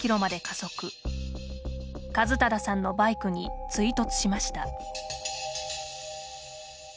一匡さんのバイクに追突しました。